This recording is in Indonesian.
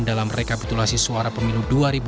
dalam rekapitulasi suara pemilu dua ribu dua puluh